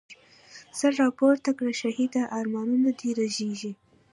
سر راپورته کړه شهیده، ارمانونه دي رژیږی